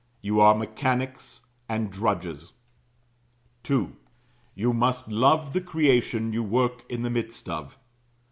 You are mechanics, and drudges. II. You must love the creation you work in the midst of.